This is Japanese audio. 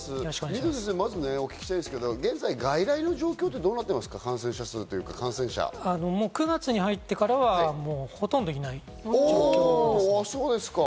水野先生、まずお聞きしたいんですけど、現在の外来の状況はどうですか？感染者、９月に入ってからは、もうほとんどいない状況ですね。